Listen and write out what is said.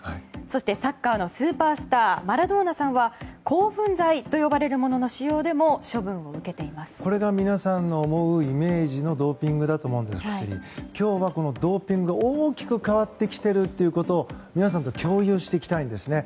そしてサッカーのスーパースターマラドーナさんは興奮剤と呼ばれるものの使用でもこれが、皆さんの思うイメージのドーピングだと思うんですが今日は、このドーピング、大きく変わってきているということを皆さんと共有していきたいんですね。